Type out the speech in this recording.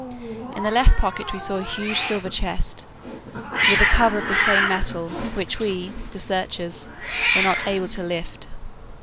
In the left pocket we saw a huge silver chest, with a cover of the same metal, which we, the searchers, were not able to lift.